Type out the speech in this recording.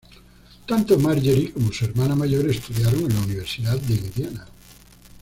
Tanto Margery como su hermana mayor estudiaron en la Universidad de Indiana.